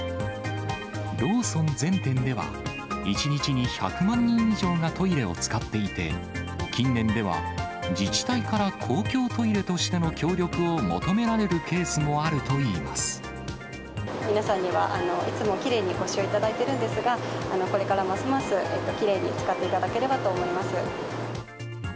ローソン全店では、１日に１００万人以上がトイレを使っていて、近年では自治体から公共トイレとしての協力を求められるケースも皆さんには、いつもきれいにご使用いただいているんですが、これからますますきれいに使っていただければと思います。